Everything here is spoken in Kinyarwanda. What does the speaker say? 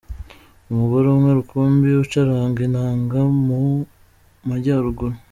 Umugore umwe rukumbi ucuranga inanga mu Majyaruguru’.